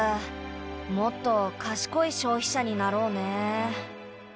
もっとかしこい消費者になろうね。